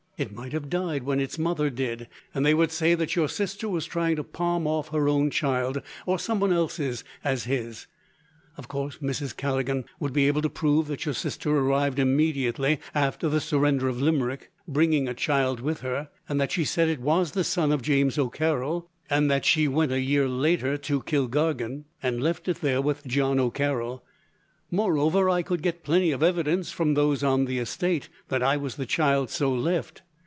It might have died when its mother did, and they would say that your sister was trying to palm off her own child, or someone else's, as his. Of course, Mrs. Callaghan would be able to prove that your sister arrived immediately after the surrender of Limerick, bringing a child with her, and that she said it was the son of James O'Carroll; and that she went a year later to Kilkargan, and left it there with John O'Carroll. Moreover, I could get plenty of evidence, from those on the estate, that I was the child so left."